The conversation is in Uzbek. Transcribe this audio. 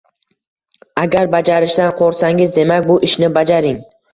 Agar bajarishdan qo’rqsangiz, demak bu ishni bajaring.